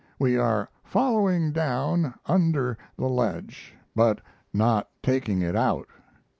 We are following down under the ledge, but not taking it out.